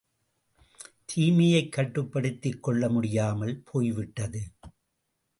தீமையைக் கட்டுப்படுத்திக் கொள்ள முடியாமல் போய்விட்டது.